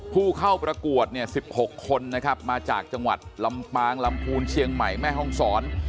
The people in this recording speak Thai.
ผู้เข้าประกวดเนี่ย๑๖คนนะครับมาจากจังหวัดลำปางลำพูนเชียงใหม่แม่ห้องศร